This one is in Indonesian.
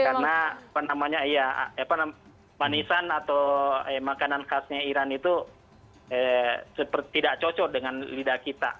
karena manisan atau makanan khasnya iran itu tidak cocok dengan lidah kita